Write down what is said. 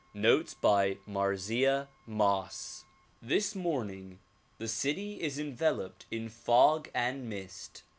Notes by Marzleh Moss THIS morning the city is enveloped in fog and mist.